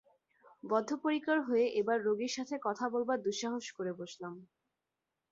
বদ্ধপরিকর হয়ে এবার রোগীর সাথে কথা বলবার দুঃসাহস করে বসলাম।